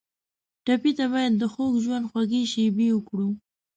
ټپي ته باید د خوږ ژوند خوږې شېبې ورکړو.